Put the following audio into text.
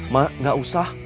mak gak usah